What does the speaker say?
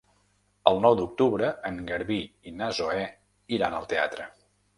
El nou d'octubre en Garbí i na Zoè iran al teatre.